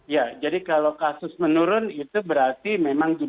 ya jadi kalau kasus menurun itu berarti memang jumlah tes yang berkurang